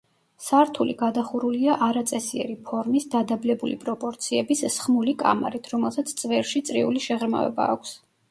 სართული გადახურულია არაწესიერი ფორმის, დადაბლებული პროპორციების, სხმული კამარით, რომელსაც წვერში წრიული შეღრმავება აქვს.